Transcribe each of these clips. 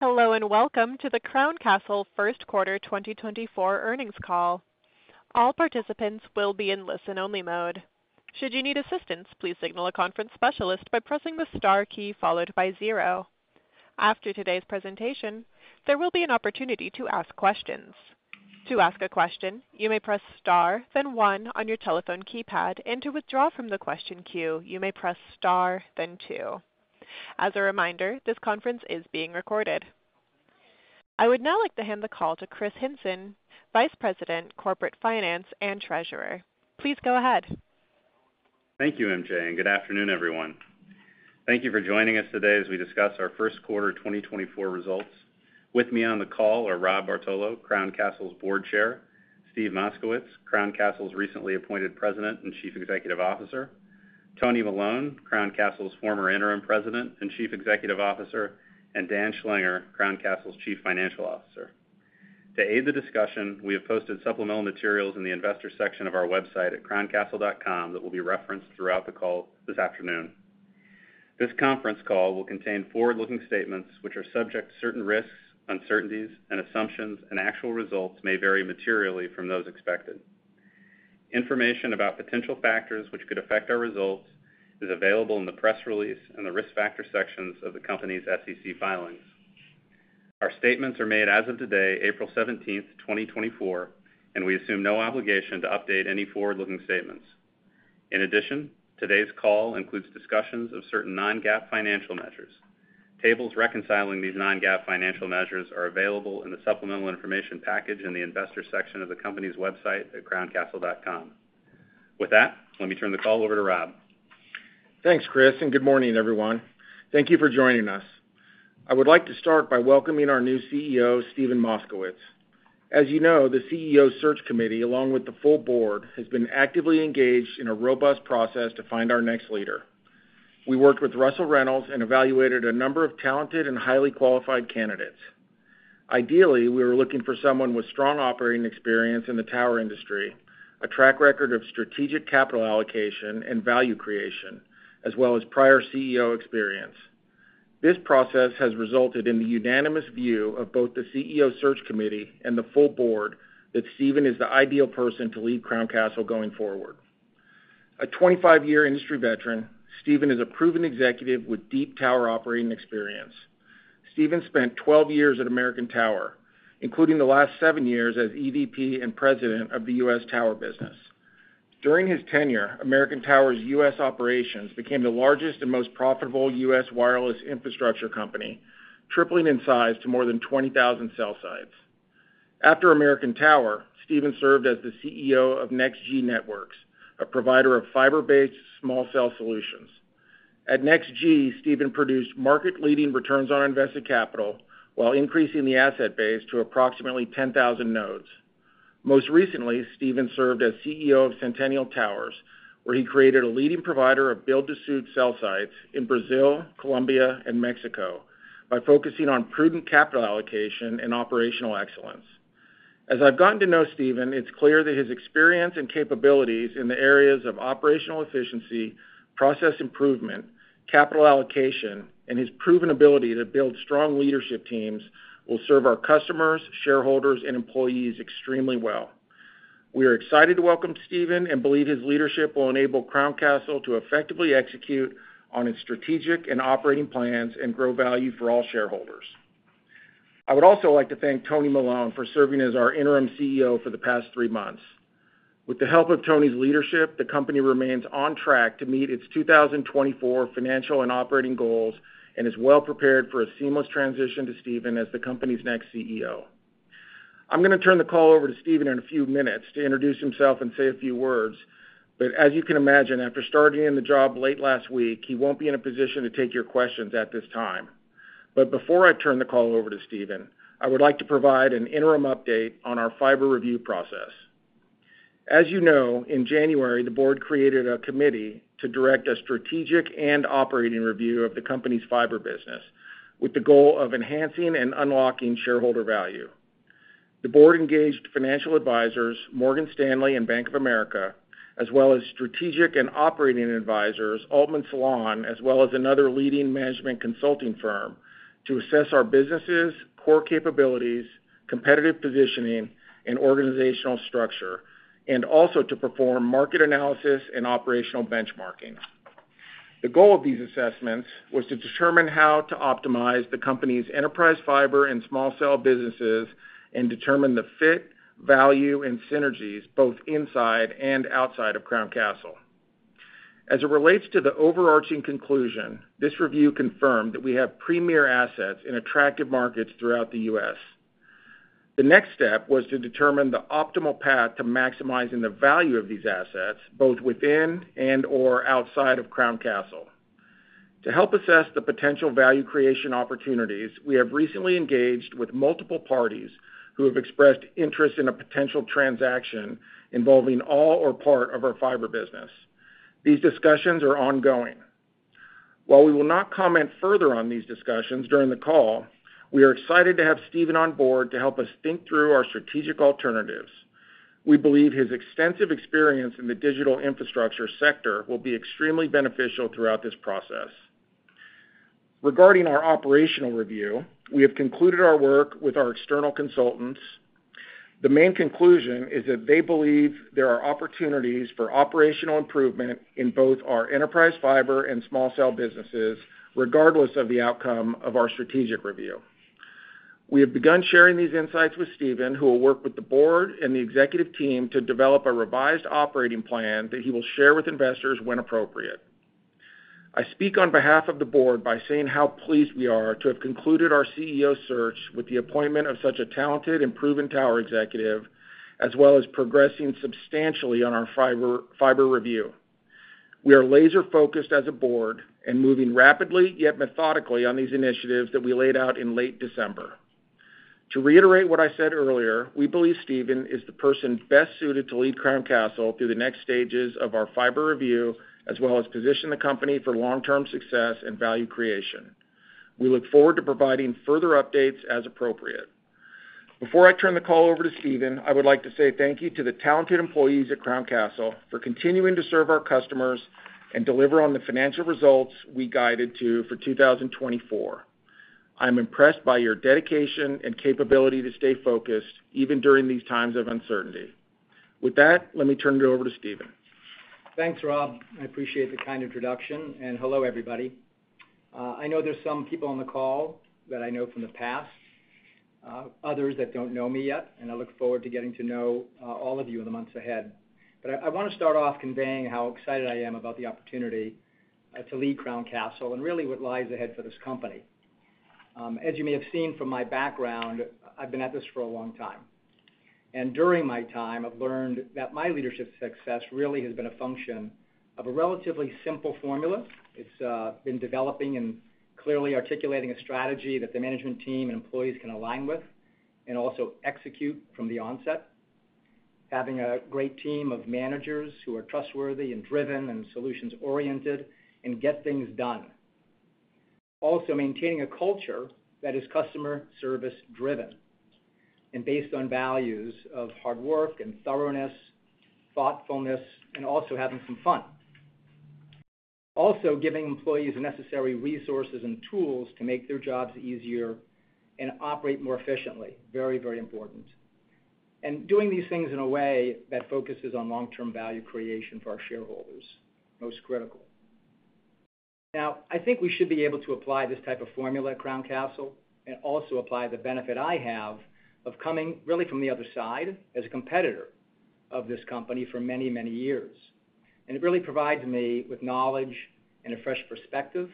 Hello, and welcome to the Crown Castle first quarter 2024 earnings call. All participants will be in listen-only mode. Should you need assistance, please signal a conference specialist by pressing the star key followed by zero. After today's presentation, there will be an opportunity to ask questions. To ask a question, you may press Star, then One on your telephone keypad, and to withdraw from the question queue, you may press Star, then Two. As a reminder, this conference is being recorded. I would now like to hand the call to Kris Hinson, Vice President, Corporate Finance and Treasurer. Please go ahead. Thank you, MJ, and good afternoon, everyone. Thank you for joining us today as we discuss our first quarter 2024 results. With me on the call are Rob Bartolo, Crown Castle's Board Chair, Steve Moskowitz, Crown Castle's recently appointed President and Chief Executive Officer, Tony Melone, Crown Castle's former Interim President and Chief Executive Officer, and Dan Schlanger, Crown Castle's Chief Financial Officer. To aid the discussion, we have posted supplemental materials in the investor section of our website at crowncastle.com that will be referenced throughout the call this afternoon. This conference call will contain forward-looking statements, which are subject to certain risks, uncertainties, and assumptions, and actual results may vary materially from those expected. Information about potential factors which could affect our results is available in the press release and the risk factor sections of the company's SEC filings. Our statements are made as of today, April 17, 2024, and we assume no obligation to update any forward-looking statements. In addition, today's call includes discussions of certain non-GAAP financial measures. Tables reconciling these non-GAAP financial measures are available in the supplemental information package in the Investors section of the company's website at crowncastle.com. With that, let me turn the call over to Rob. Thanks, Kris, and good morning, everyone. Thank you for joining us. I would like to start by welcoming our new CEO, Steven Moskowitz. As you know, the CEO search committee, along with the full board, has been actively engaged in a robust process to find our next leader. We worked with Russell Reynolds and evaluated a number of talented and highly qualified candidates. Ideally, we were looking for someone with strong operating experience in the tower industry, a track record of strategic capital allocation and value creation, as well as prior CEO experience. This process has resulted in the unanimous view of both the CEO search committee and the full board that Steven is the ideal person to lead Crown Castle going forward. A 25-year industry veteran, Steven is a proven executive with deep tower operating experience. Steven spent 12 years at American Tower, including the last seven years as EVP and President of the U.S. Tower Business. During his tenure, American Tower's U.S. operations became the largest and most profitable U.S. wireless infrastructure company, tripling in size to more than 20,000 cell sites. After American Tower, Steven served as the CEO of NextG Networks, a provider of fiber-based small cell solutions. At NextG, Steven produced market-leading returns on invested capital while increasing the asset base to approximately 10,000 nodes. Most recently, Steven served as CEO of Centennial Towers, where he created a leading provider of build-to-suit cell sites in Brazil, Colombia, and Mexico by focusing on prudent capital allocation and operational excellence. As I've gotten to know Steven, it's clear that his experience and capabilities in the areas of operational efficiency, process improvement, capital allocation, and his proven ability to build strong leadership teams will serve our customers, shareholders, and employees extremely well. We are excited to welcome Steven and believe his leadership will enable Crown Castle to effectively execute on its strategic and operating plans and grow value for all shareholders. I would also like to thank Anthony Melone for serving as our Interim CEO for the past three months. With the help of Anthony Melone's leadership, the company remains on track to meet its 2024 financial and operating goals and is well prepared for a seamless transition to Steven as the company's next CEO. I'm gonna turn the call over to Steven in a few minutes to introduce himself and say a few words. As you can imagine, after starting in the job late last week, he won't be in a position to take your questions at this time. Before I turn the call over to Steven, I would like to provide an interim update on our fiber review process. As you know, in January, the board created a committee to direct a strategic and operating review of the company's fiber business, with the goal of enhancing and unlocking shareholder value. The board engaged financial advisors Morgan Stanley and Bank of America, as well as strategic and operating advisors, Altman Solon, as well as another leading management consulting firm, to assess our businesses, core capabilities, competitive positioning, and organizational structure, and also to perform market analysis and operational benchmarking. The goal of these assessments was to determine how to optimize the company's enterprise, fiber, and small cell businesses and determine the fit, value, and synergies both inside and outside of Crown Castle. As it relates to the overarching conclusion, this review confirmed that we have premier assets in attractive markets throughout the U.S. The next step was to determine the optimal path to maximizing the value of these assets, both within and/or outside of Crown Castle. To help assess the potential value creation opportunities, we have recently engaged with multiple parties who have expressed interest in a potential transaction involving all or part of our fiber business. These discussions are ongoing. While we will not comment further on these discussions during the call, we are excited to have Steven on board to help us think through our strategic alternatives. We believe his extensive experience in the digital infrastructure sector will be extremely beneficial throughout this process. Regarding our operational review, we have concluded our work with our external consultants. The main conclusion is that they believe there are opportunities for operational improvement in both our enterprise fiber and small cell businesses, regardless of the outcome of our strategic review. We have begun sharing these insights with Steven, who will work with the board and the executive team to develop a revised operating plan that he will share with investors when appropriate. I speak on behalf of the board by saying how pleased we are to have concluded our CEO search with the appointment of such a talented and proven tower executive, as well as progressing substantially on our fiber review. We are laser focused as a board and moving rapidly, yet methodically, on these initiatives that we laid out in late December. To reiterate what I said earlier, we believe Steven is the person best suited to lead Crown Castle through the next stages of our fiber review, as well as position the company for long-term success and value creation. We look forward to providing further updates as appropriate. Before I turn the call over to Steven, I would like to say thank you to the talented employees at Crown Castle for continuing to serve our customers and deliver on the financial results we guided to for 2024. I'm impressed by your dedication and capability to stay focused, even during these times of uncertainty. With that, let me turn it over to Steven. Thanks, Rob. I appreciate the kind introduction, and hello, everybody. I know there's some people on the call that I know from the past, others that don't know me yet, and I look forward to getting to know all of you in the months ahead. But I wanna start off conveying how excited I am about the opportunity to lead Crown Castle and really what lies ahead for this company. As you may have seen from my background, I've been at this for a long time. During my time, I've learned that my leadership success really has been a function of a relatively simple formula. It's been developing and clearly articulating a strategy that the management team and employees can align with, and also execute from the onset. Having a great team of managers who are trustworthy and driven and solutions-oriented, and get things done. Also, maintaining a culture that is customer service driven and based on values of hard work and thoroughness, thoughtfulness, and also having some fun. Also, giving employees the necessary resources and tools to make their jobs easier and operate more efficiently, very, very important. And doing these things in a way that focuses on long-term value creation for our shareholders, most critical. Now, I think we should be able to apply this type of formula at Crown Castle, and also apply the benefit I have of coming really from the other side, as a competitor of this company for many, many years. It really provides me with knowledge and a fresh perspective,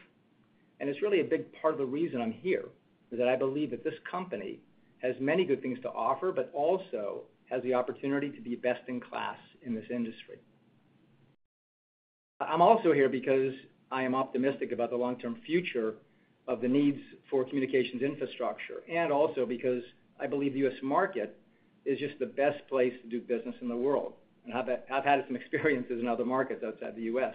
and it's really a big part of the reason I'm here, is that I believe that this company has many good things to offer, but also has the opportunity to be best-in-class in this industry. I'm also here because I am optimistic about the long-term future of the needs for communications infrastructure, and also because I believe the U.S. market is just the best place to do business in the world, and I've had some experiences in other markets outside the U.S.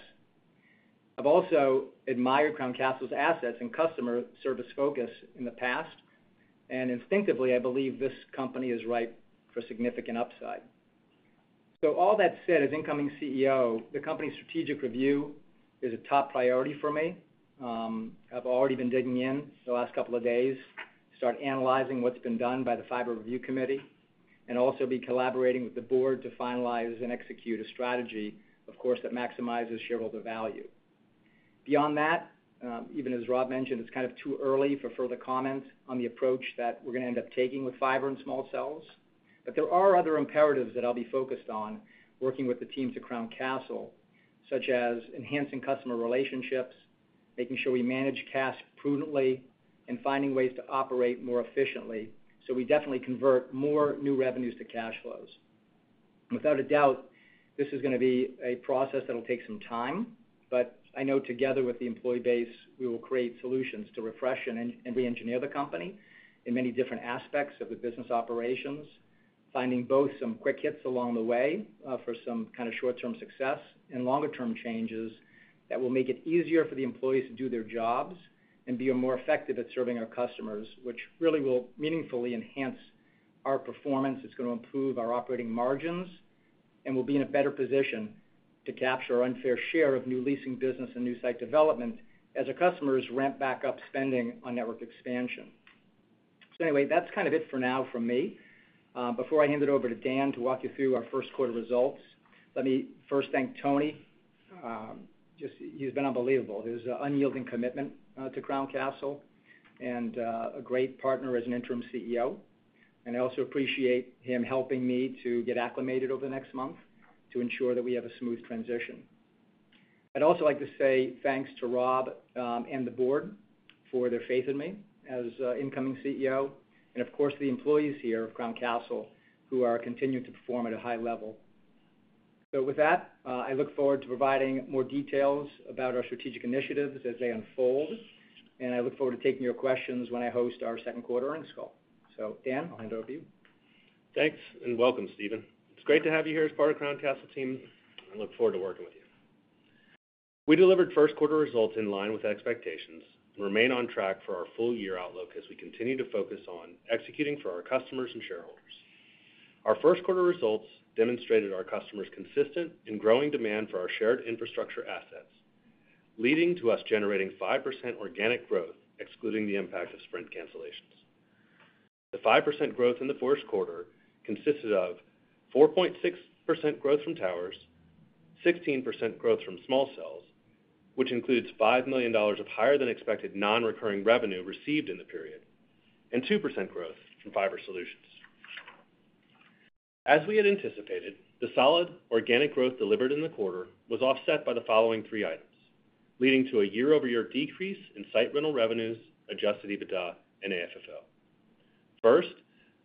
I've also admired Crown Castle's assets and customer service focus in the past, and instinctively, I believe this company is ripe for significant upside. So all that said, as incoming CEO, the company's strategic review is a top priority for me. I've already been digging in the last couple of days to start analyzing what's been done by the Fiber Review Committee, and also be collaborating with the board to finalize and execute a strategy, of course, that maximizes shareholder value. Beyond that, even as Rob mentioned, it's kind of too early for further comment on the approach that we're gonna end up taking with fiber and small cells, but there are other imperatives that I'll be focused on working with the teams at Crown Castle, such as enhancing customer relationships, making sure we manage cash prudently, and finding ways to operate more efficiently, so we definitely convert more new revenues to cash flows. Without a doubt, this is gonna be a process that'll take some time, but I know together with the employee base, we will create solutions to refresh and reengineer the company in many different aspects of the business operations, finding both some quick hits along the way, for some kind of short-term success, and longer term changes that will make it easier for the employees to do their jobs and be more effective at serving our customers, which really will meaningfully enhance our performance. It's gonna improve our operating margins, and we'll be in a better position to capture our unfair share of new leasing business and new site development as our customers ramp back up spending on network expansion. So anyway, that's kind of it for now from me. Before I hand it over to Dan to walk you through our first quarter results, let me first thank Tony. Just, he's been unbelievable. His unyielding commitment to Crown Castle and a great partner as an interim CEO. And I also appreciate him helping me to get acclimated over the next month to ensure that we have a smooth transition. I'd also like to say thanks to Rob and the board for their faith in me as incoming CEO, and of course, the employees here of Crown Castle, who are continuing to perform at a high level. So with that, I look forward to providing more details about our strategic initiatives as they unfold, and I look forward to taking your questions when I host our second quarter earnings call. So Dan, I'll hand it over to you. Thanks, and welcome, Steven. It's great to have you here as part of Crown Castle team. I look forward to working with you. ...We delivered first quarter results in line with expectations and remain on track for our full year outlook as we continue to focus on executing for our customers and shareholders. Our first quarter results demonstrated our customers' consistent and growing demand for our shared infrastructure assets, leading to us generating 5% organic growth, excluding the impact of Sprint cancellations. The 5% growth in the first quarter consisted of 4.6% growth from towers, 16% growth from small cells, which includes $5 million of higher than expected non-recurring revenue received in the period, and 2% growth from fiber solutions. As we had anticipated, the solid organic growth delivered in the quarter was offset by the following three items, leading to a year-over-year decrease in site rental revenues, Adjusted EBITDA and AFFO. First,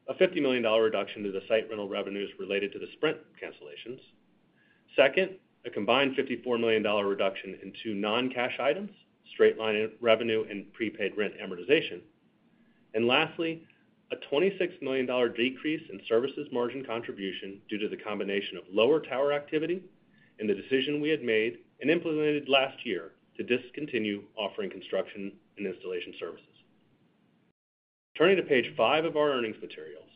a $50 million reduction to the site rental revenues related to the Sprint cancellations. Second, a combined $54 million reduction in two non-cash items, straight-line revenue and prepaid rent amortization. And lastly, a $26 million decrease in services margin contribution due to the combination of lower tower activity and the decision we had made and implemented last year to discontinue offering construction and installation services. Turning to page 5 of our earnings materials,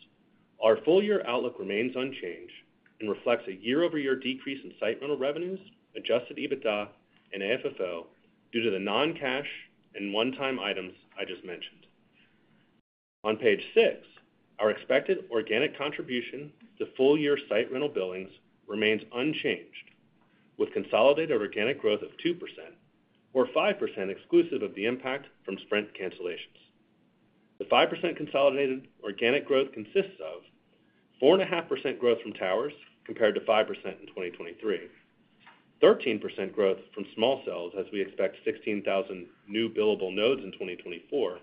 our full-year outlook remains unchanged and reflects a year-over-year decrease in site rental revenues, Adjusted EBITDA and AFFO due to the non-cash and one-time items I just mentioned. On page 6, our expected organic contribution to full-year site rental billings remains unchanged, with consolidated organic growth of 2% or 5% exclusive of the impact from Sprint cancellations. The 5% consolidated organic growth consists of 4.5% growth from towers compared to 5% in 2023, 13% growth from small cells as we expect 16,000 new billable nodes in 2024,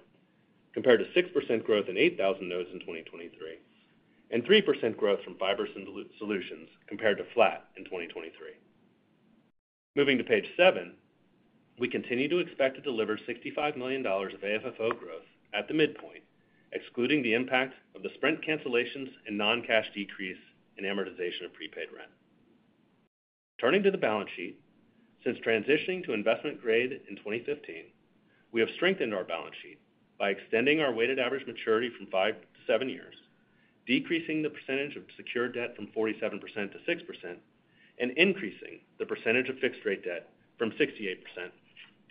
compared to 6% growth and 8,000 nodes in 2023, and 3% growth from fiber solutions compared to flat in 2023. Moving to page 7, we continue to expect to deliver $65 million of AFFO growth at the midpoint, excluding the impact of the Sprint cancellations and non-cash decrease in amortization of prepaid rent. Turning to the balance sheet, since transitioning to investment grade in 2015, we have strengthened our balance sheet by extending our weighted average maturity from five to seven years, decreasing the percentage of secured debt from 47% to 6%, and increasing the percentage of fixed rate debt from 68%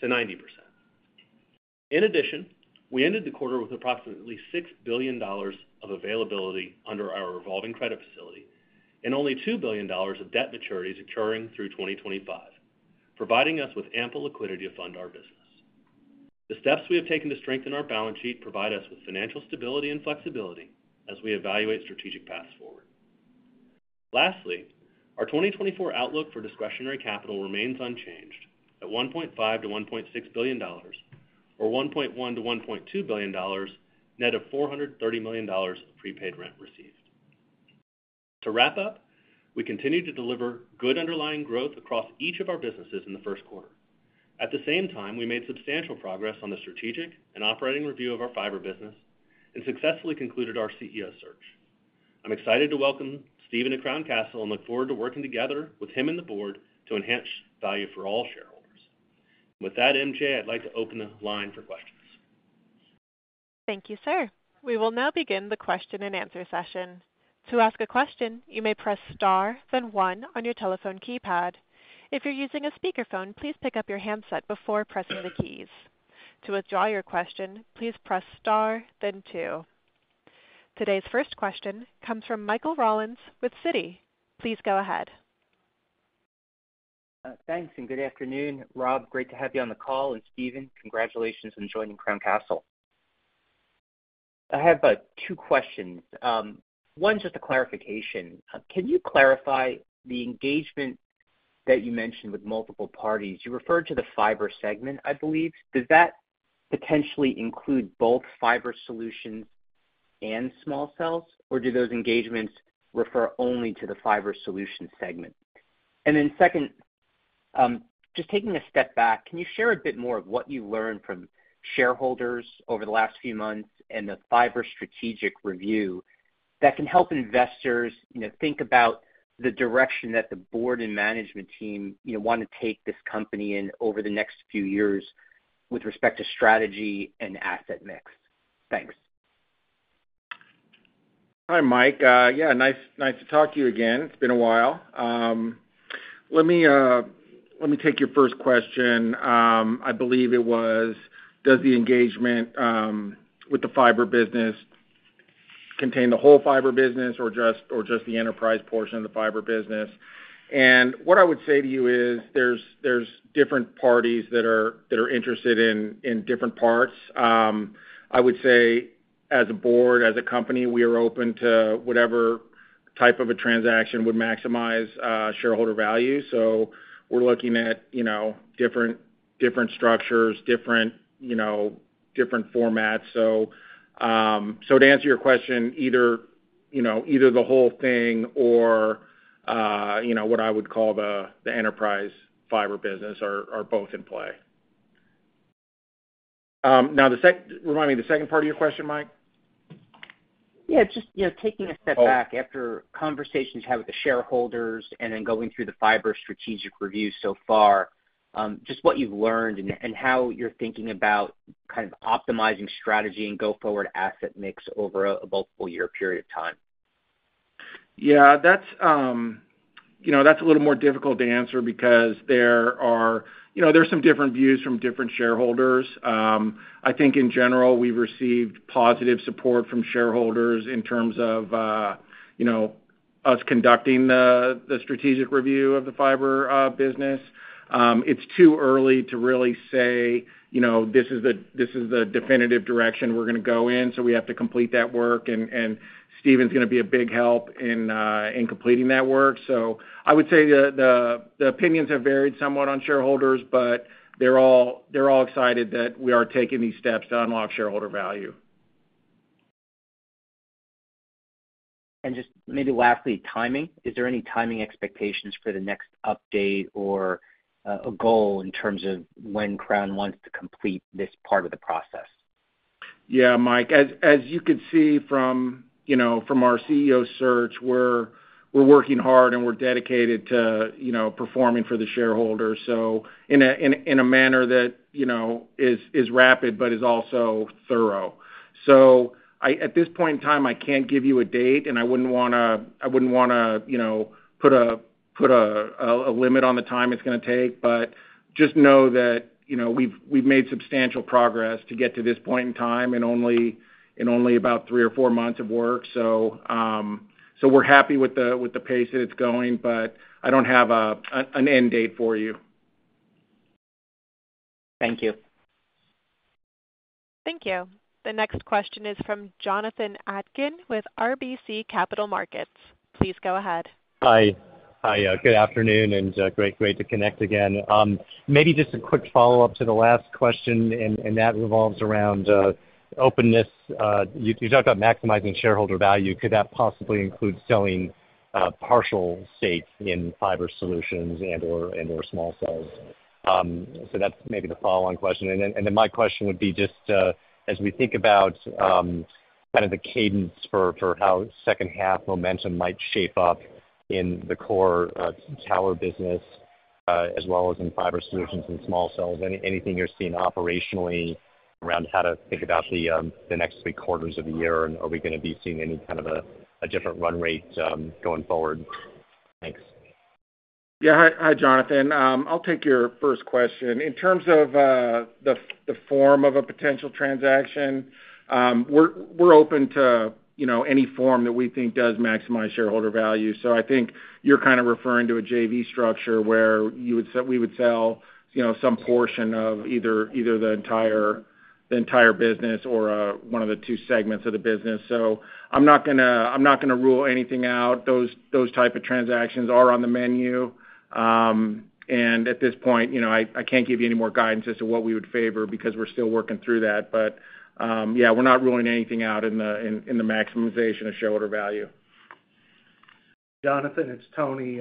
to 90%. In addition, we ended the quarter with approximately $6 billion of availability under our revolving credit facility and only $2 billion of debt maturities occurring through 2025, providing us with ample liquidity to fund our business. The steps we have taken to strengthen our balance sheet provide us with financial stability and flexibility as we evaluate strategic paths forward. Lastly, our 2024 outlook for discretionary capital remains unchanged at $1.5 billion-$1.6 billion, or $1.1 billion-$1.2 billion, net of $430 million of prepaid rent received. To wrap up, we continue to deliver good underlying growth across each of our businesses in the first quarter. At the same time, we made substantial progress on the strategic and operating review of our fiber business and successfully concluded our CEO search. I'm excited to welcome Steven to Crown Castle and look forward to working together with him and the board to enhance value for all shareholders. With that, MJ, I'd like to open the line for questions. Thank you, sir. We will now begin the question-and-answer session. To ask a question, you may press star, then one on your telephone keypad. If you're using a speakerphone, please pick up your handset before pressing the keys. To withdraw your question, please press star then two. Today's first question comes from Michael Rollins with Citi. Please go ahead. Thanks, and good afternoon. Rob, great to have you on the call, and Steven, congratulations on joining Crown Castle. I have two questions. One, just a clarification. Can you clarify the engagement that you mentioned with multiple parties? You referred to the fiber segment, I believe. Does that potentially include both fiber solutions and small cells, or do those engagements refer only to the fiber solution segment? And then second, just taking a step back, can you share a bit more of what you learned from shareholders over the last few months and the fiber strategic review that can help investors, you know, think about the direction that the board and management team, you know, want to take this company in over the next few years with respect to strategy and asset mix? Thanks. Hi, Mike. Yeah, nice, nice to talk to you again. It's been a while. Let me, let me take your first question. I believe it was, does the engagement with the fiber business contain the whole fiber business or just, or just the enterprise portion of the fiber business? And what I would say to you is there's, there's different parties that are, that are interested in, in different parts. I would say as a board, as a company, we are open to whatever type of a transaction would maximize shareholder value. So we're looking at, you know, different, different structures, different, you know, different formats. So, so to answer your question, either, you know, either the whole thing or, you know, what I would call the, the enterprise fiber business are, are both in play.... now the second part of your question, Mike? Yeah, just, you know, taking a step back after conversations you had with the shareholders and then going through the fiber strategic review so far, just what you've learned and how you're thinking about kind of optimizing strategy and go-forward asset mix over a multiple year period of time. Yeah, that's, you know, that's a little more difficult to answer because there are, you know, there are some different views from different shareholders. I think in general, we've received positive support from shareholders in terms of, you know, us conducting the, the strategic review of the fiber business. It's too early to really say, you know, this is the, this is the definitive direction we're gonna go in, so we have to complete that work, and, and Steven's gonna be a big help in, in completing that work. So I would say the, the, the opinions have varied somewhat on shareholders, but they're all, they're all excited that we are taking these steps to unlock shareholder value. Just maybe lastly, timing. Is there any timing expectations for the next update or a goal in terms of when Crown wants to complete this part of the process? Yeah, Mike, as you can see from, you know, from our CEO search, we're working hard, and we're dedicated to, you know, performing for the shareholders, so in a manner that, you know, is rapid but is also thorough. So at this point in time, I can't give you a date, and I wouldn't wanna, you know, put a limit on the time it's gonna take. But just know that, you know, we've made substantial progress to get to this point in time in only about three or four months of work. So, so we're happy with the pace that it's going, but I don't have an end date for you. Thank you. Thank you. The next question is from Jonathan Atkin with RBC Capital Markets. Please go ahead. Hi. Hi, good afternoon, and, great, great to connect again. Maybe just a quick follow-up to the last question, and, and that revolves around, openness. You, you talked about maximizing shareholder value. Could that possibly include selling, partial stakes in fiber solutions and/or, and/or small cells? So that's maybe the follow-on question. And then, and then my question would be just, as we think about, kind of the cadence for, for how second half momentum might shape up in the core, tower business, as well as in fiber solutions and small cells, anything you're seeing operationally around how to think about the, the next three quarters of the year? And are we gonna be seeing any kind of a, a different run rate, going forward? Thanks. Yeah. Hi, hi, Jonathan. I'll take your first question. In terms of the form of a potential transaction, we're open to, you know, any form that we think does maximize shareholder value. So I think you're kind of referring to a JV structure where we would sell, you know, some portion of either the entire business or one of the two segments of the business. So I'm not gonna rule anything out. Those type of transactions are on the menu. And at this point, you know, I can't give you any more guidance as to what we would favor because we're still working through that. But yeah, we're not ruling anything out in the maximization of shareholder value. Jonathan, it's Tony.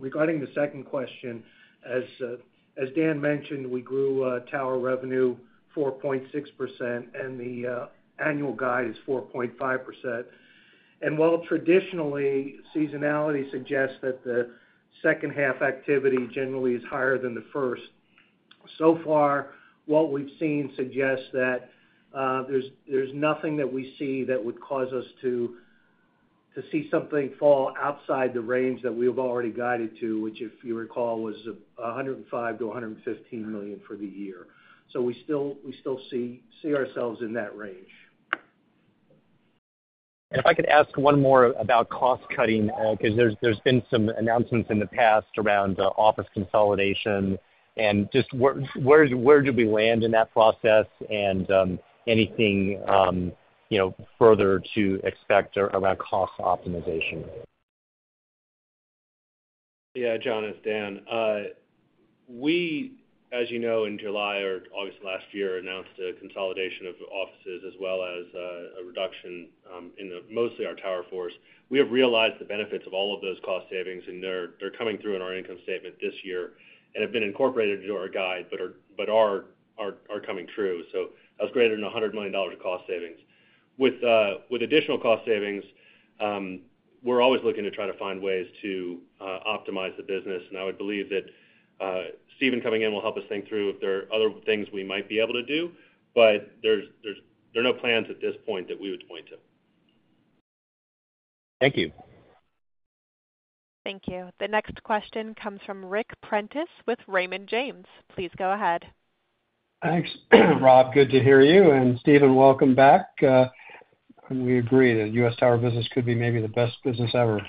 Regarding the second question, as Dan mentioned, we grew tower revenue 4.6%, and the annual guide is 4.5%. While traditionally, seasonality suggests that the second half activity generally is higher than the first, so far, what we've seen suggests that there's nothing that we see that would cause us to see something fall outside the range that we've already guided to, which, if you recall, was $105 million -$115 million for the year. We still see ourselves in that range. If I could ask one more about cost-cutting, because there's been some announcements in the past around office consolidation. Just where did we land in that process? Anything, you know, further to expect around cost optimization? Yeah, Jonathan, it's Dan. We, as you know, in July or August last year, announced a consolidation of offices as well as a reduction in the mostly our tower force. We have realized the benefits of all of those cost savings, and they're coming through in our income statement this year and have been incorporated into our guide, but are coming true. So that was greater than $100 million of cost savings. With additional cost savings, we're always looking to try to find ways to optimize the business. And I would believe that Steven coming in will help us think through if there are other things we might be able to do, but there are no plans at this point that we would point to. Thank you. Thank you. The next question comes from Ric Prentiss with Raymond James. Please go ahead. Thanks, Rob, good to hear you, and Steven, welcome back. We agree that the U.S. Tower business could be maybe the best business ever.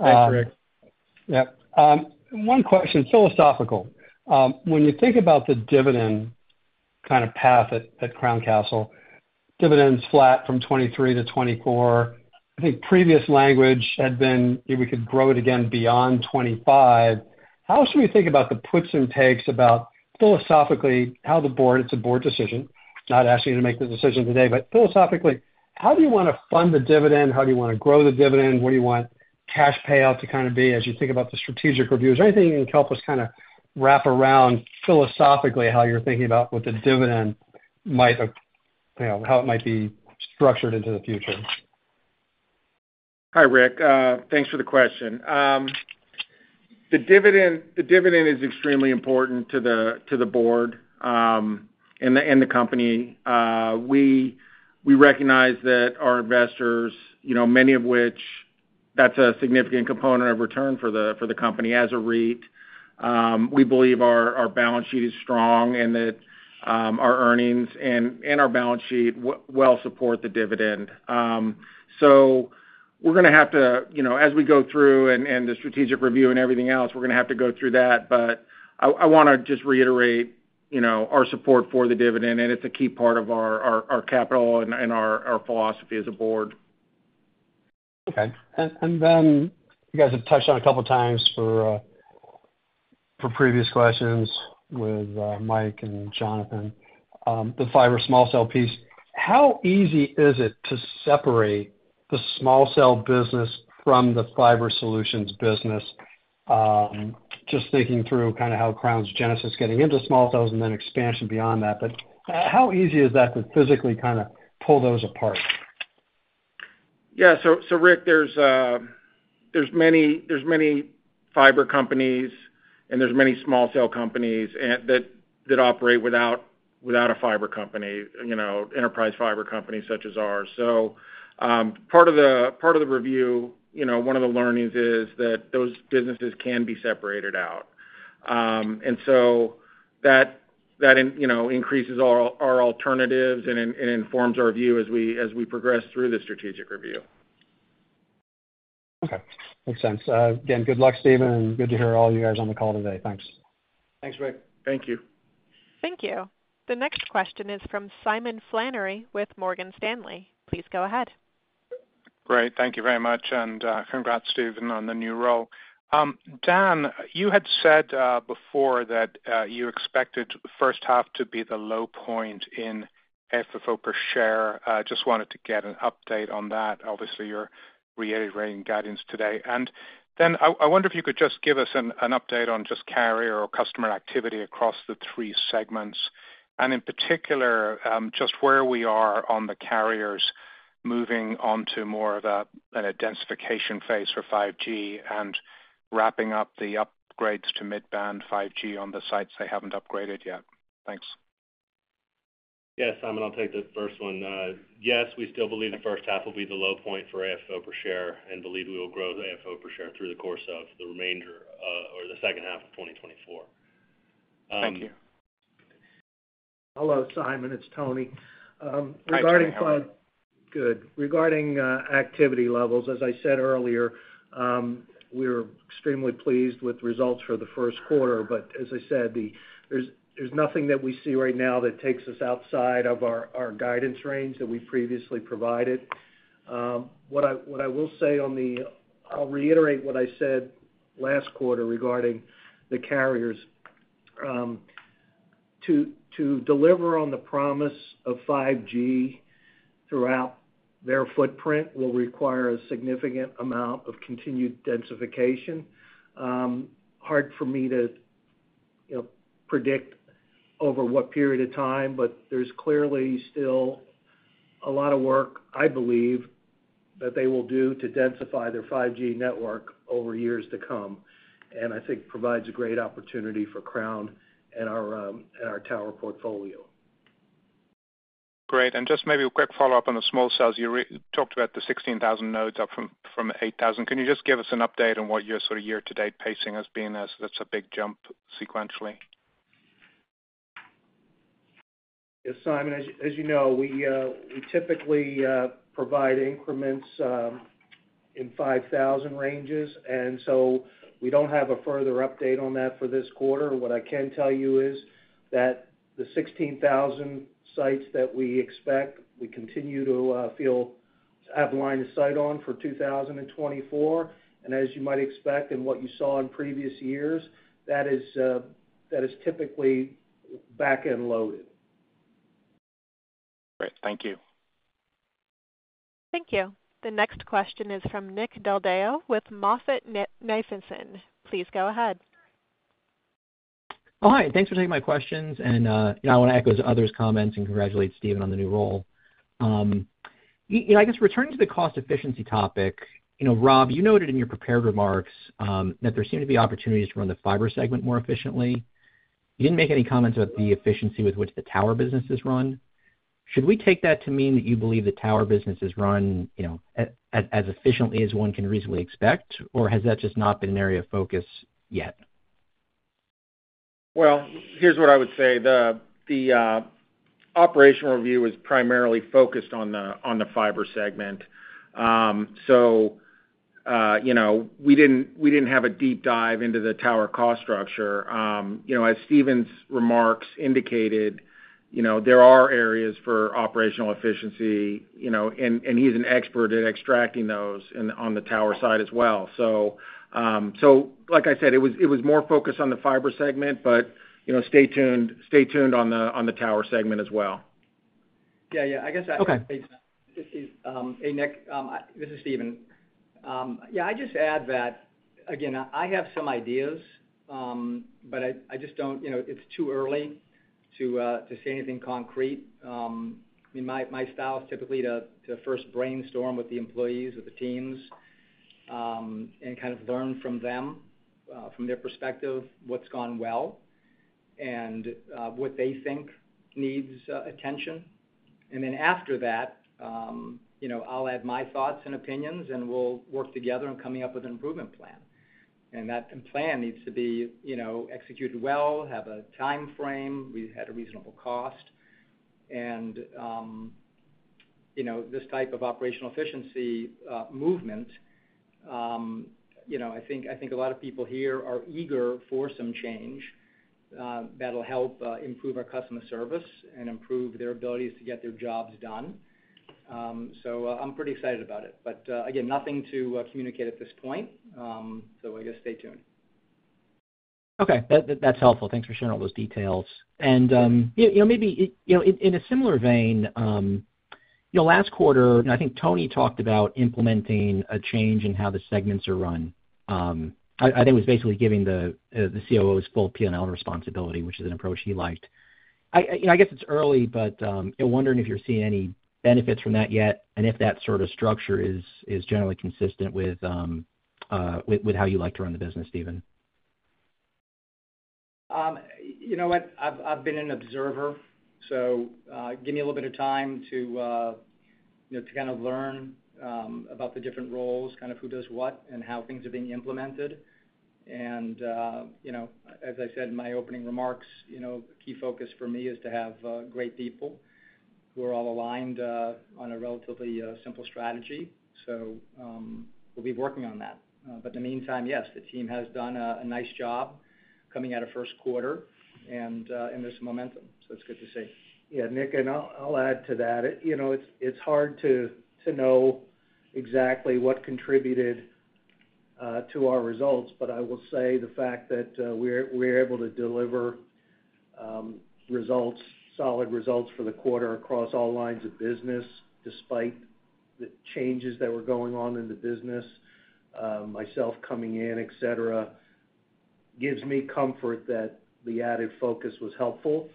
Hi, Rick. Yep. One question, philosophical: When you think about the dividend kind of path at Crown Castle, dividend's flat from 2023 to 2024. I think previous language had been, if we could grow it again beyond 2025. How should we think about the puts and takes about, philosophically, how the board... It's a board decision, not asking you to make the decision today, but philosophically,... how do you want to fund the dividend? How do you want to grow the dividend? What do you want cash payout to kind of be as you think about the strategic review? Is there anything you can help us kind of wrap around philosophically, how you're thinking about what the dividend might have-- you know, how it might be structured into the future? Hi, Ric, thanks for the question. The dividend, the dividend is extremely important to the board and the company. We recognize that our investors, you know, many of which that's a significant component of return for the company as a REIT. We believe our balance sheet is strong and that our earnings and our balance sheet well support the dividend. So we're gonna have to, you know, as we go through and the strategic review and everything else, we're gonna have to go through that. But I wanna just reiterate, you know, our support for the dividend, and it's a key part of our capital and our philosophy as a board. Okay. And then you guys have touched on a couple of times for previous questions with Mike and Jonathan, the fiber small cell piece. How easy is it to separate the small cell business from the fiber solutions business? Just thinking through kind of how Crown's genesis getting into small cells and then expansion beyond that. But, how easy is that to physically kind of pull those apart? Yeah. So, Ric, there's many fiber companies, and there's many small cell companies that operate without a fiber company, you know, enterprise fiber company such as ours. So, part of the review, you know, one of the learnings is that those businesses can be separated out. And so that increases our alternatives and informs our view as we progress through the strategic review. Okay. Makes sense. Again, good luck, Steven, and good to hear all you guys on the call today. Thanks. Thanks, Ric. Thank you. Thank you. The next question is from Simon Flannery with Morgan Stanley. Please go ahead. Great. Thank you very much, and, congrats, Steven, on the new role. Dan, you had said, before that, you expected the first half to be the low point in FFO per share. Just wanted to get an update on that. Obviously, you're reiterating guidance today. And then I wonder if you could just give us an update on just carrier or customer activity across the three segments, and in particular, just where we are on the carriers moving on to more of an identification phase for 5G and wrapping up the upgrades to mid-band 5G on the sites they haven't upgraded yet. Thanks. Yeah, Simon, I'll take the first one. Yes, we still believe the first half will be the low point for FFO per share and believe we will grow the FFO per share through the course of the remainder, or the second half of 2024. Thank you. Hello, Simon, it's Tony. Regarding- Hi, Tony. How are you? Good. Regarding activity levels, as I said earlier, we're extremely pleased with the results for the first quarter. But as I said, there's nothing that we see right now that takes us outside of our guidance range that we previously provided. What I will say on the... I'll reiterate what I said last quarter regarding the carriers. To deliver on the promise of 5G throughout their footprint will require a significant amount of continued densification. Hard for me to, you know, predict over what period of time, but there's clearly still a lot of work, I believe, that they will do to densify their 5G network over years to come, and I think provides a great opportunity for Crown and our tower portfolio. Great. Just maybe a quick follow-up on the small cells. You talked about the 16,000 nodes up from 8,000 nodes. Can you just give us an update on what your sort of year-to-date pacing has been as that's a big jump sequentially? Yes, Simon. As you know, we typically provide increments in 5,000 ranges, and so we don't have a further update on that for this quarter. What I can tell you is that the 16,000 sites that we expect, we continue to feel have line of sight on for 2024. And as you might expect, and what you saw in previous years, that is typically back-end loaded. Great. Thank you. Thank you. The next question is from Nick Del Deo with MoffettNathanson. Please go ahead. Oh, hi, thanks for taking my questions. And you know, I want to echo the others' comments and congratulate Steven on the new role. You know, I guess returning to the cost efficiency topic, you know, Rob, you noted in your prepared remarks that there seem to be opportunities to run the fiber segment more efficiently. You didn't make any comments about the efficiency with which the tower business is run. Should we take that to mean that you believe the tower business is run, you know, as efficiently as one can reasonably expect, or has that just not been an area of focus yet? Well, here's what I would say: the operational review is primarily focused on the fiber segment. So, you know, we didn't have a deep dive into the tower cost structure. You know, as Steven's remarks indicated, you know, there are areas for operational efficiency, you know, and he's an expert at extracting those on the tower side as well. So, like I said, it was more focused on the fiber segment, but, you know, stay tuned on the tower segment as well.... Yeah, yeah, I guess I- Okay. This is-- hey, Nick, this is Steven. Yeah, I'd just add that, again, I have some ideas, but I, I just don't, you know, it's too early to to say anything concrete. I mean, my, my style is typically to to first brainstorm with the employees, with the teams, and kind of learn from them, from their perspective, what's gone well and what they think needs attention. And then after that, you know, I'll add my thoughts and opinions, and we'll work together on coming up with an improvement plan. And that plan needs to be, you know, executed well, have a time frame. We've had a reasonable cost. You know, this type of operational efficiency movement, you know, I think, I think a lot of people here are eager for some change that'll help improve our customer service and improve their abilities to get their jobs done. So, I'm pretty excited about it. But, again, nothing to communicate at this point. So I guess stay tuned. Okay. That's helpful. Thanks for sharing all those details. And you know, maybe it... You know, in a similar vein, you know, last quarter, and I think Tony talked about implementing a change in how the segments are run. I think it was basically giving the COOs full P&L responsibility, which is an approach he liked. You know, I guess it's early, but I'm wondering if you're seeing any benefits from that yet, and if that sort of structure is generally consistent with how you like to run the business, Steven? You know what? I've been an observer, so, give me a little bit of time to, you know, to kind of learn, about the different roles, kind of who does what, and how things are being implemented. And, you know, as I said in my opening remarks, you know, key focus for me is to have, great people who are all aligned, on a relatively, simple strategy. So, we'll be working on that. But in the meantime, yes, the team has done a nice job coming out of first quarter and, in this momentum, so it's good to see. Yeah, Nick, and I'll add to that. You know, it's hard to know exactly what contributed to our results, but I will say the fact that we're able to deliver results, solid results for the quarter across all lines of business, despite the changes that were going on in the business, myself coming in, et cetera, gives me comfort that the added focus was helpful.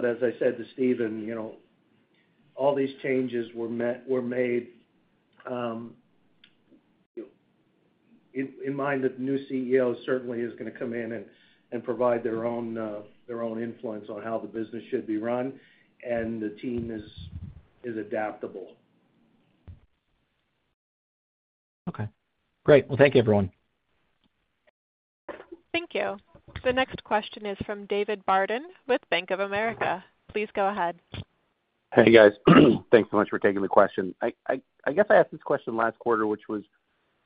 But as I said to Steven, you know, all these changes were made in mind that the new CEO certainly is gonna come in and provide their own influence on how the business should be run, and the team is adaptable. Okay, great. Well, thank you, everyone. Thank you. The next question is from David Barden with Bank of America. Please go ahead. Hey, guys. Thanks so much for taking the question. I guess I asked this question last quarter, which was,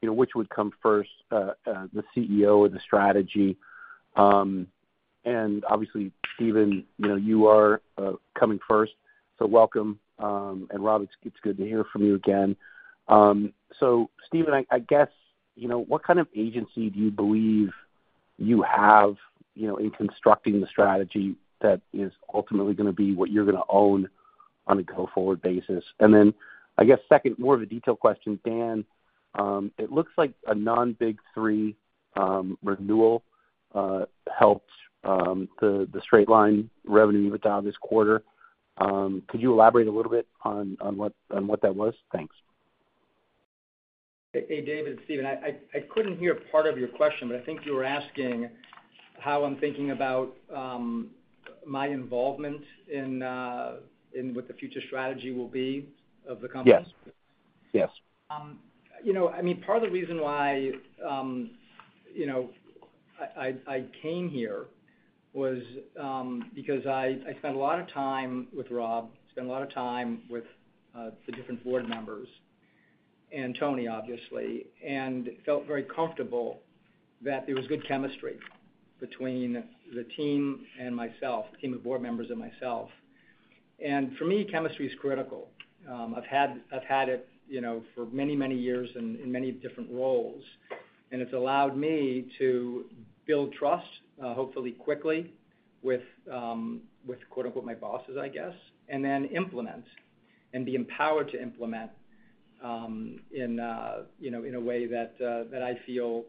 you know, which would come first, the CEO or the strategy? And obviously, Steven, you know, you are coming first, so welcome. And, Rob, it's good to hear from you again. So Steven, I guess, you know, what kind of agency do you believe you have, you know, in constructing the strategy that is ultimately gonna be what you're gonna own on a go-forward basis? And then, I guess, second, more of a detailed question: Dan, it looks like a non-big three renewal helped the straight-line revenue you put down this quarter. Could you elaborate a little bit on what that was? Thanks. Hey, David, it's Steven. I couldn't hear part of your question, but I think you were asking how I'm thinking about my involvement in what the future strategy will be of the company? Yes. Yes. You know, I mean, part of the reason why, you know, I came here was because I spent a lot of time with Rob, spent a lot of time with the different board members and Tony, obviously, and felt very comfortable that there was good chemistry between the team and myself, the team of board members and myself. And for me, chemistry is critical. I've had it, you know, for many, many years in many different roles, and it's allowed me to build trust, hopefully quickly, with quote, unquote, "My bosses," I guess, and then implement and be empowered to implement, you know, in a way that I feel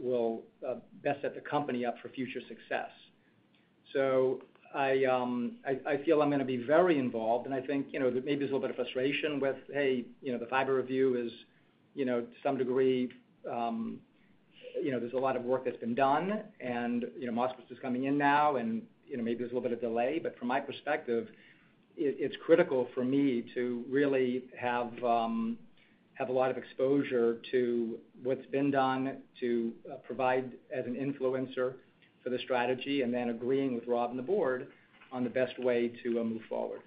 will best set the company up for future success. So I feel I'm gonna be very involved, and I think, you know, that maybe there's a little bit of frustration with, hey, you know, the fiber review is, you know, to some degree, you know, there's a lot of work that's been done, and, you know, Moskowitz is just coming in now, and, you know, maybe there's a little bit of delay. But from my perspective, it, it's critical for me to really have, have a lot of exposure to what's been done, to, provide as an influencer for the strategy, and then agreeing with Rob and the board on the best way to, move forward.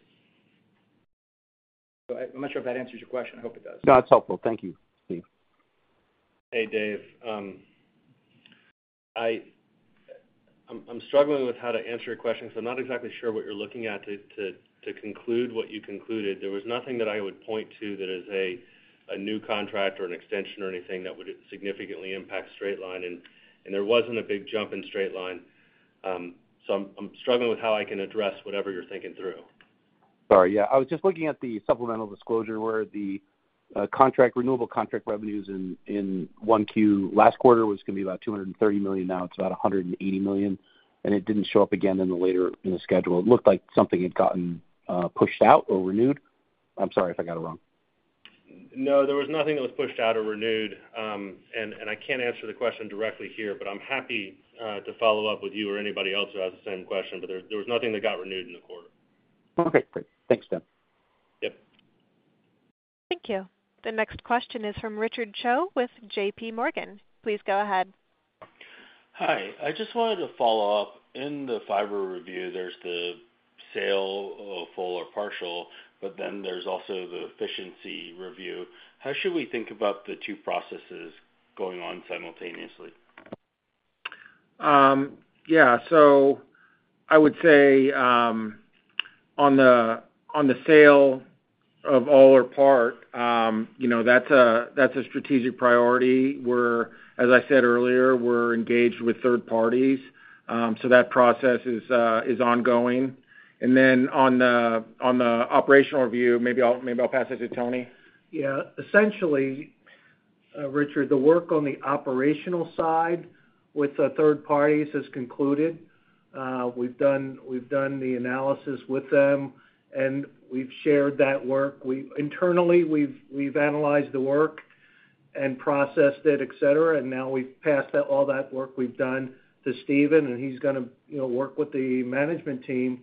So I, I'm not sure if that answers your question. I hope it does. No, it's helpful. Thank you, Steven. Hey, Dave. I'm struggling with how to answer your question, because I'm not exactly sure what you're looking at to conclude what you concluded. There was nothing that I would point to that is a new contract or an extension or anything that would significantly impact straight-line, and there wasn't a big jump in straight-line.... so I'm struggling with how I can address whatever you're thinking through. Sorry. Yeah, I was just looking at the supplemental disclosure where the contract, renewable contract revenues in 1Q last quarter was gonna be about $230 million, now it's about $180 million, and it didn't show up again in the later in the schedule. It looked like something had gotten pushed out or renewed. I'm sorry if I got it wrong. No, there was nothing that was pushed out or renewed. And I can't answer the question directly here, but I'm happy to follow up with you or anybody else who has the same question. But there was nothing that got renewed in the quarter. Okay, great. Thanks, Tim. Yep. Thank you. The next question is from Richard Choe with J.P. Morgan. Please go ahead. Hi. I just wanted to follow up. In the fiber review, there's the sale of full or partial, but then there's also the efficiency review. How should we think about the two processes going on simultaneously? Yeah. So I would say, on the sale of all or part, you know, that's a strategic priority. We're, as I said earlier, we're engaged with third parties, so that process is ongoing. And then on the operational review, maybe I'll pass it to Tony. Yeah. Essentially, Richard, the work on the operational side with the third parties has concluded. We've done the analysis with them, and we've shared that work. Internally, we've analyzed the work and processed it, et cetera, and now we've passed that, all that work we've done to Steven, and he's gonna, you know, work with the management team,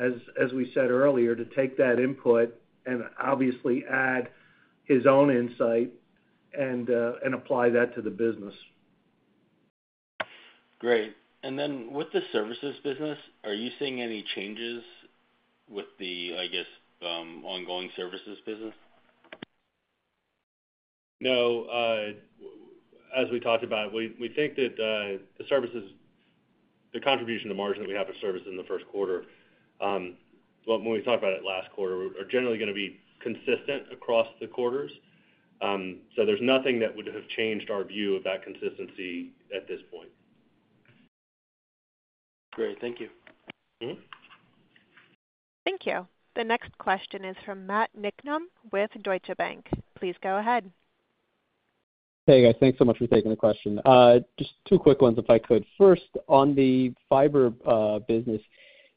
as we said earlier, to take that input and obviously add his own insight and and apply that to the business. Great. And then with the services business, are you seeing any changes with the, I guess, ongoing services business? No, as we talked about, we think that the services, the contribution to margin that we have for service in the first quarter, well, when we talked about it last quarter, are generally gonna be consistent across the quarters. So there's nothing that would have changed our view of that consistency at this point. Great. Thank you. Mm-hmm. Thank you. The next question is from Matthew Niknam with Deutsche Bank. Please go ahead. Hey, guys. Thanks so much for taking the question. Just two quick ones, if I could. First, on the fiber business,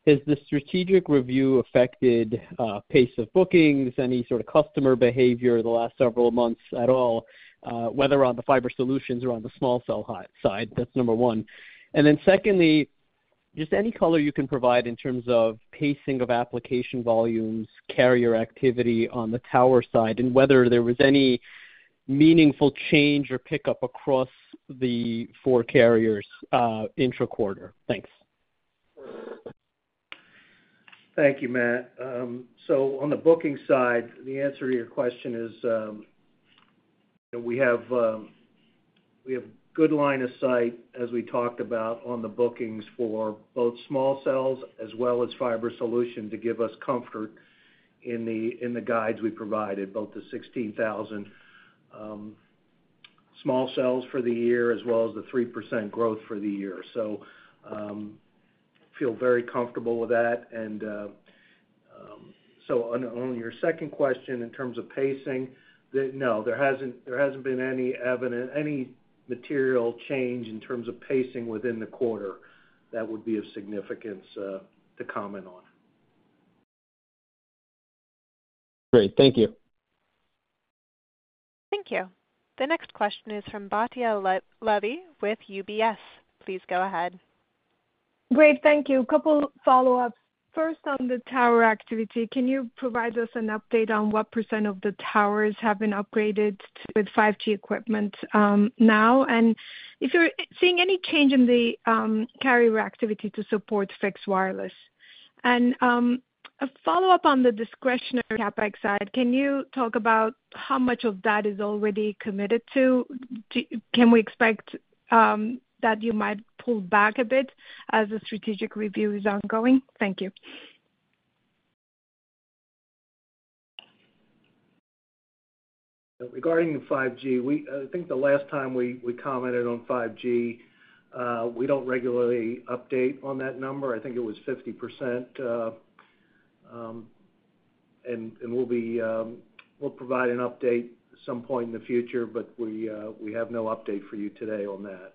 has the strategic review affected pace of bookings, any sort of customer behavior the last several months at all, whether on the fiber solutions or on the small cell side? That's number one. And then secondly, just any color you can provide in terms of pacing of application volumes, carrier activity on the tower side, and whether there was any meaningful change or pickup across the four carriers intra-quarter? Thanks. Thank you, Matt. So on the booking side, the answer to your question is that we have good line of sight, as we talked about on the bookings for both small cells as well as fiber solution, to give us comfort in the guides we provided, both the 16,000 small cells for the year as well as the 3% growth for the year. So feel very comfortable with that. And so on your second question, in terms of pacing, no, there hasn't been any evident material change in terms of pacing within the quarter that would be of significance to comment on. Great. Thank you. Thank you. The next question is from Batya Levi with UBS. Please go ahead. Great. Thank you. A couple follow-ups. First, on the tower activity, can you provide us an update on what percent of the towers have been upgraded with 5G equipment now? And if you're seeing any change in the carrier activity to support fixed wireless? And a follow-up on the discretionary CapEx side, can you talk about how much of that is already committed to? Can we expect that you might pull back a bit as the strategic review is ongoing? Thank you. Regarding the 5G, we, I think the last time we commented on 5G, we don't regularly update on that number. I think it was 50%, and we'll provide an update at some point in the future, but we, we have no update for you today on that.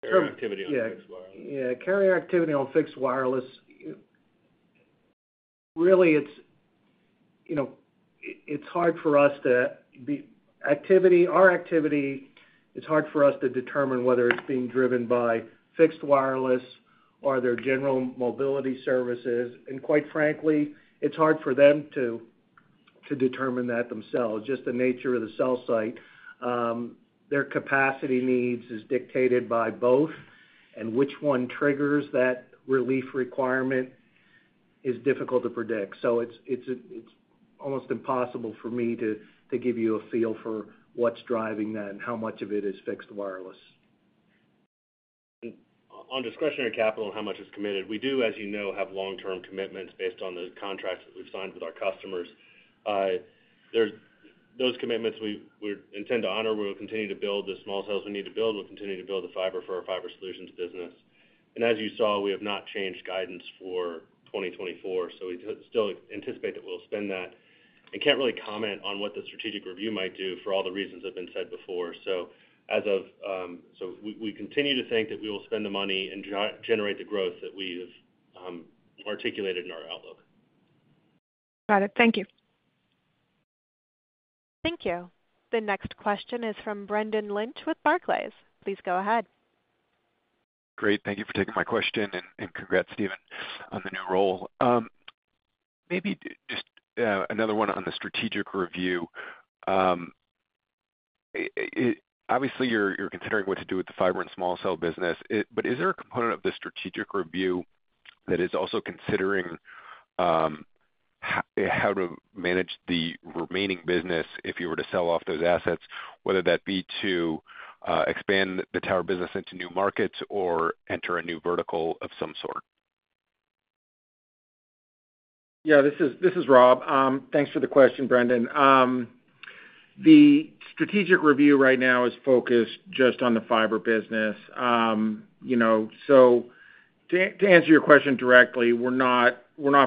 Carrier activity on fixed wireless. Yeah, carrier activity on fixed wireless, really it's, you know, it's hard for us to our activity, it's hard for us to determine whether it's being driven by fixed wireless or other general mobility services. And quite frankly, it's hard for them to determine that themselves, just the nature of the cell site. Their capacity needs is dictated by both, and which one triggers that relief requirement is difficult to predict. So it's almost impossible for me to give you a feel for what's driving that and how much of it is fixed wireless.... On discretionary capital and how much is committed, we do, as you know, have long-term commitments based on the contracts that we've signed with our customers. There's those commitments, we intend to honor. We will continue to build the small cells we need to build. We'll continue to build the fiber for our fiber solutions business. And as you saw, we have not changed guidance for 2024, so we still anticipate that we'll spend that. I can't really comment on what the strategic review might do for all the reasons that have been said before. So as of. So we continue to think that we will spend the money and generate the growth that we've articulated in our outlook. Got it. Thank you. Thank you. The next question is from Brendan Lynch with Barclays. Please go ahead. Great, thank you for taking my question, and congrats, Steven, on the new role. Maybe just another one on the strategic review. Obviously, you're considering what to do with the fiber and small cell business. But is there a component of the strategic review that is also considering how to manage the remaining business if you were to sell off those assets, whether that be to expand the tower business into new markets or enter a new vertical of some sort? Yeah, this is Rob. Thanks for the question, Brendan. The strategic review right now is focused just on the fiber business. You know, so to answer your question directly, we're not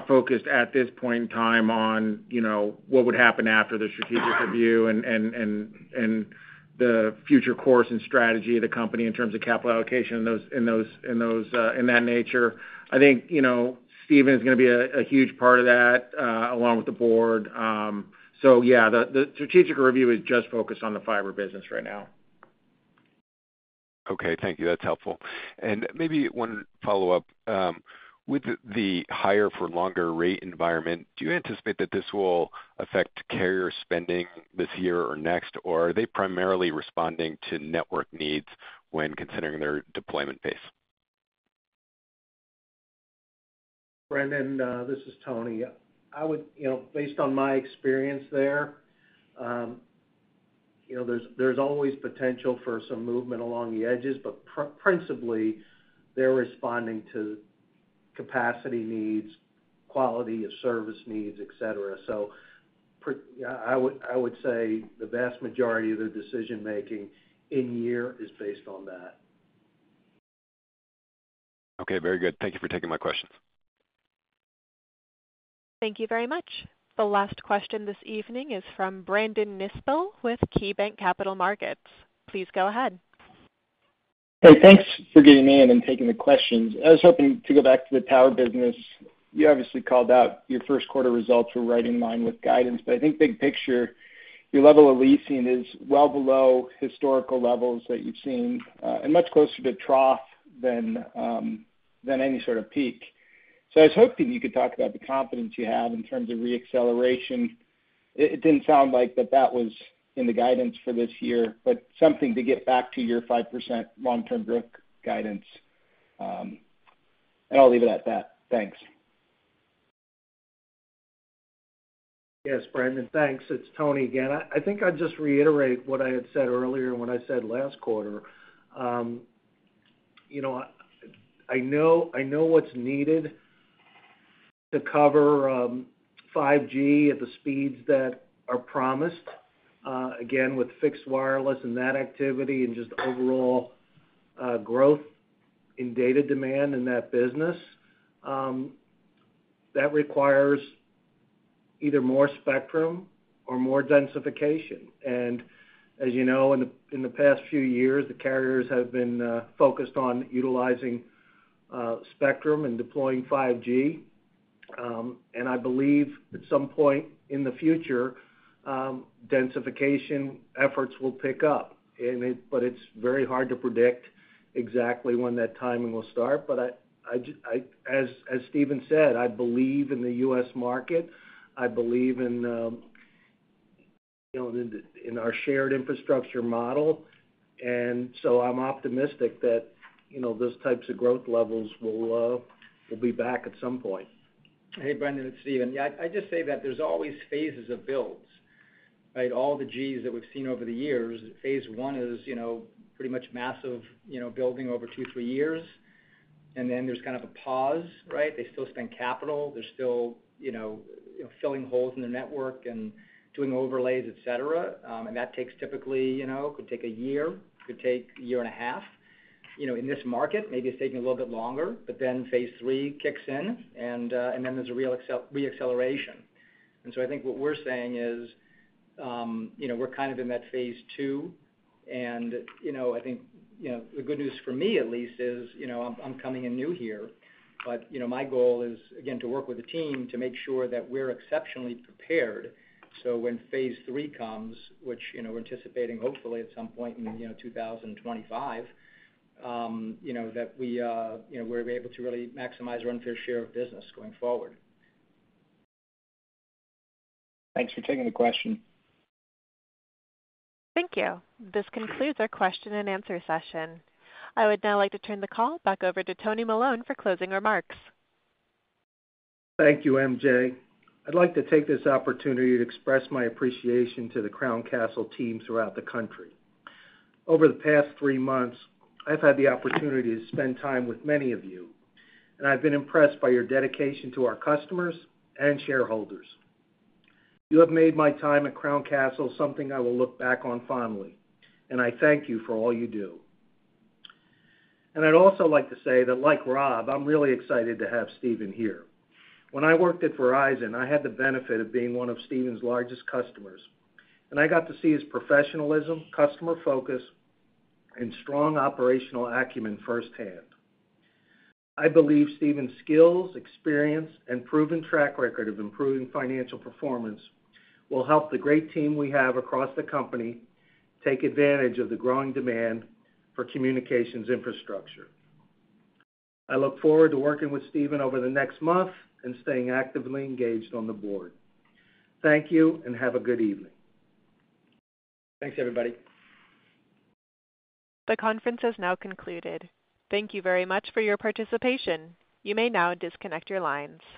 focused at this point in time on, you know, what would happen after the strategic review and the future course and strategy of the company in terms of capital allocation in those, in that nature. I think, you know, Steven is gonna be a huge part of that, along with the board. So yeah, the strategic review is just focused on the fiber business right now. Okay, thank you. That's helpful. Maybe one follow-up. With the higher-for-longer rate environment, do you anticipate that this will affect carrier spending this year or next, or are they primarily responding to network needs when considering their deployment pace? Brendan, this is Tony. I would... You know, based on my experience there, you know, there's always potential for some movement along the edges, but principally, they're responding to capacity needs, quality of service needs, et cetera. So I would say the vast majority of their decision-making in year is based on that. Okay, very good. Thank you for taking my questions. Thank you very much. The last question this evening is from Brandon Nispel with KeyBanc Capital Markets. Please go ahead. Hey, thanks for getting me in and taking the questions. I was hoping to go back to the tower business. You obviously called out your first quarter results were right in line with guidance, but I think big picture, your level of leasing is well below historical levels that you've seen, and much closer to trough than any sort of peak. So I was hoping you could talk about the confidence you have in terms of reacceleration. It didn't sound like that was in the guidance for this year, but something to get back to your 5% long-term growth guidance. And I'll leave it at that. Thanks. Yes, Brandon. Thanks. It's Tony again. I think I'd just reiterate what I had said earlier and what I said last quarter. You know, I know what's needed to cover 5G at the speeds that are promised, again, with fixed wireless and that activity and just overall growth in data demand in that business. That requires either more spectrum or more densification. And as you know, in the past few years, the carriers have been focused on utilizing spectrum and deploying 5G. And I believe at some point in the future, densification efforts will pick up, but it's very hard to predict exactly when that timing will start. But as Steven said, I believe in the US market. I believe in, you know, in our shared infrastructure model, and so I'm optimistic that, you know, those types of growth levels will be back at some point. Hey, Brendon, it's Steven. Yeah, I'd just say that there's always phases of builds, right? All the Gs that we've seen over the years, phase one is, you know, pretty much massive, you know, building over 2-3 years, and then there's kind of a pause, right? They still spend capital. They're still, you know, filling holes in the network and doing overlays, et cetera, and that takes typically, you know, could take a year, could take a year and a half. You know, in this market, maybe it's taking a little bit longer, but then phase three kicks in, and then there's a real reacceleration. And so I think what we're saying is, you know, we're kind of in that phase two, and I think, you know, the good news for me at least is, you know, I'm coming in new here. But, you know, my goal is, again, to work with the team to make sure that we're exceptionally prepared, so when phase three comes, which, you know, we're anticipating hopefully at some point in, you know, 2025, you know, that we, you know, we're able to really maximize our unfair share of business going forward. Thanks for taking the question. Thank you. This concludes our question and answer session. I would now like to turn the call back over to Anthony Melone for closing remarks. Thank you, MJ. I'd like to take this opportunity to express my appreciation to the Crown Castle team throughout the country. Over the past three months, I've had the opportunity to spend time with many of you, and I've been impressed by your dedication to our customers and shareholders. You have made my time at Crown Castle something I will look back on fondly, and I thank you for all you do. I'd also like to say that, like Rob, I'm really excited to have Steven here. When I worked at Verizon, I had the benefit of being one of Steven's largest customers, and I got to see his professionalism, customer focus, and strong operational acumen firsthand. I believe Steven's skills, experience, and proven track record of improving financial performance will help the great team we have across the company take advantage of the growing demand for communications infrastructure. I look forward to working with Steven over the next month and staying actively engaged on the board. Thank you, and have a good evening. Thanks, everybody. The conference has now concluded. Thank you very much for your participation. You may now disconnect your lines.